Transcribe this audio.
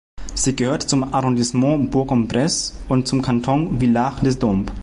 Sie gehört zum Arrondissement Bourg-en-Bresse und zum Kanton Villars-les-Dombes.